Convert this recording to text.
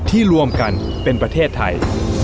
รวมกันเป็นประเทศไทย